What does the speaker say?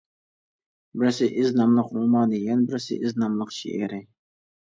بىرسى «ئىز» ناملىق رومانى، يەنە بىرسى «ئىز» ناملىق شېئىرى.